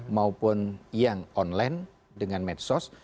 maupun yang online dengan medsos